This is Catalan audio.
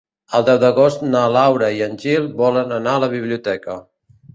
El deu d'agost na Laura i en Gil volen anar a la biblioteca.